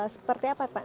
seperti apa pak